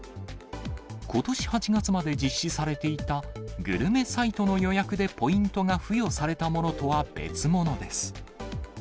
ことし８月まで実施されていた、グルメサイトの予約でポイントが付与されたものとは別物です。